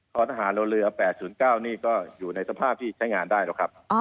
ทหารเรือ๘๐๙นี่ก็อยู่ในสภาพที่ใช้งานได้หรอกครับ